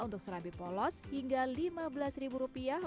untuk serabi polos hingga lima belas ribu rupiah